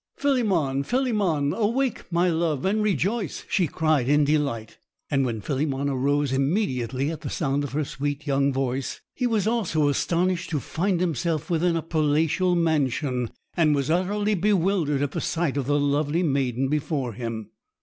"Philemon! Philemon! awake, my love, and rejoice!" she cried in delight; and when Philemon arose immediately at the sound of her sweet young voice, he also was astonished to find himself within a palatial mansion, and was utterly bewildered at the sight of the lovely maiden before him.